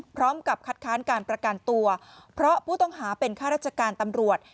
พร้อมกับคัดค้านการประกันตัวเพราะผู้ต้องหาเป็นข้าราชการตำรวจ